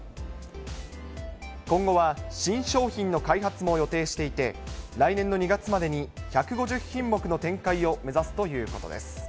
今後は新商品の開発も予定していて、来年の２月までに１５０品目の展開を目指すということです。